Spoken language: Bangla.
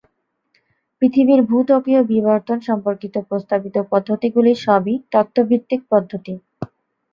পৃথিবীর ভূত্বকীয় বিবর্তন সম্পর্কিত প্রস্তাবিত পদ্ধতিগুলি সবই তত্ত্ব-ভিত্তিক পদ্ধতি।